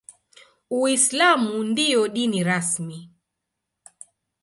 Uislamu ndio dini rasmi.